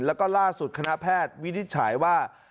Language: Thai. แล้วก็ล่าสุดคณะแพทย์วินิจฉัยว่า